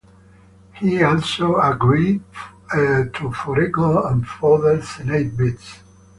He also agreed to forego any further senate bids.